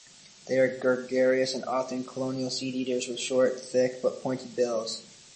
They are gregarious and often colonial seed eaters with short, thick, but pointed bills.